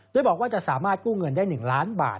โดยบอกว่าจะสามารถกู้เงินได้๑ล้านบาท